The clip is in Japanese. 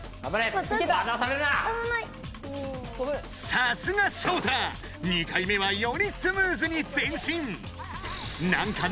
さすがショウタ２回目はよりスムーズに前進。